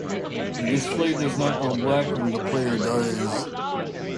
The display does not go black when the player dies.